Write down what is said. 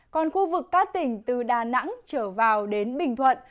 còn khu vực các tỉnh từ đà nẵng trở vào đến bình thuận